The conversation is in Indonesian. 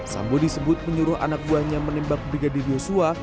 sambo disebut menyuruh anak buahnya menembak brigadir yosua